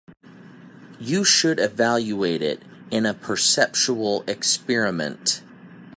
You should evaluate it in a perceptual experiment.